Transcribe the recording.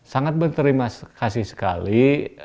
sangat berterima kasih sekali